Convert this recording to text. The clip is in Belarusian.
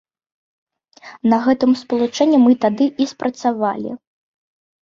На гэтым спалучэнні мы тады і спрацавалі.